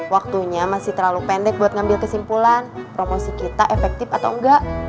waktunya masih terlalu pendek buat ngambil kesimpulan promosi kita efektif atau enggak